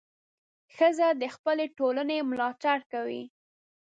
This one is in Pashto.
ښځه د خپلې ټولنې ملاتړ کوي.